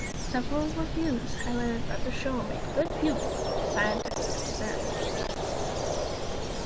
Several reviews highlighted that the show made good use of its scientific experiments.